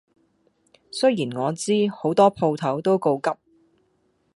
雖然我知好多鋪頭都告急